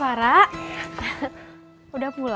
nanti gasa duit ini